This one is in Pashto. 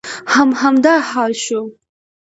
هم همدا حال شو.